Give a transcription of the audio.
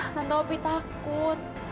tante opi takut